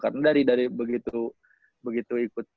karena dari begitu ikut